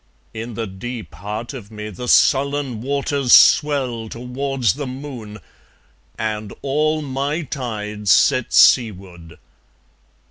In the deep heart of me The sullen waters swell towards the moon, And all my tides set seaward.